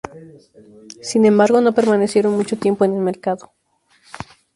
Sin embargo, no permanecieron mucho tiempo en el mercado.